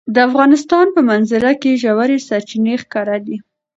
د افغانستان په منظره کې ژورې سرچینې ښکاره ده.